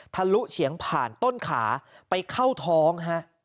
ลุเฉียงผ่านต้นขาไปเข้าท้องฮะ